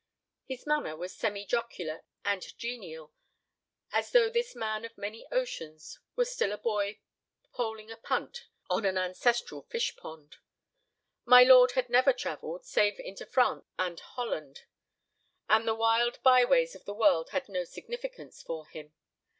His manner was semijocular and genial, as though this man of many oceans were still a boy poling a punt on an ancestral fish pond. My lord had never travelled, save into France and Holland, and the wild by ways of the world had no significance for him.